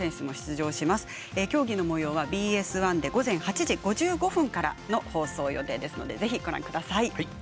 競技のもようはＢＳ１で午前８時５５分からの放送予定ですのでぜひ、ご覧ください。